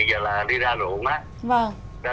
giờ là đi ra ruộng á